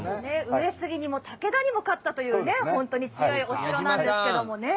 上杉にも武田にも勝ったという本当に強いお城なんですけどね。